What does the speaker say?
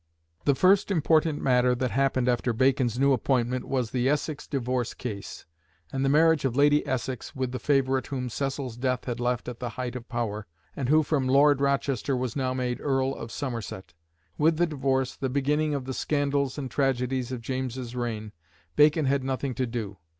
The first important matter that happened after Bacon's new appointment was the Essex divorce case, and the marriage of Lady Essex with the favourite whom Cecil's death had left at the height of power, and who from Lord Rochester was now made Earl of Somerset. With the divorce, the beginning of the scandals and tragedies of James's reign, Bacon had nothing to do.